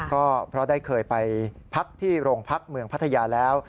ก็เพราะได้เคยไปพักที่โรงพักเมืองพัทยาแล้ว